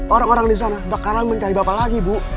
orang orang disana bakalan mencari bapak lagi bu